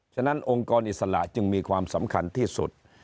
ฉะนั้นองค์กรอิสระจึงมีความสำคัญที่สุด